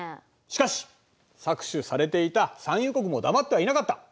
しかし搾取されていた産油国も黙ってはいなかった。